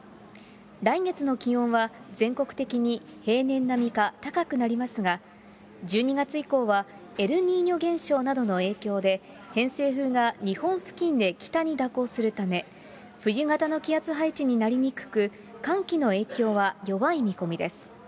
来月の気温は全国的に平年並みか高くなりますが、１２月以降はエルニーニョ現象などの影響で、偏西風が日本付近で北に蛇行するため、冬型の気圧配置になりにくく、寒気の影響は弱い見込みです。